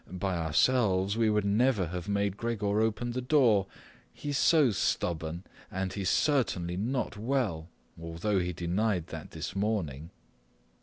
By ourselves, we would never have made Gregor open the door. He's so stubborn, and he's certainly not well, although he denied that this morning."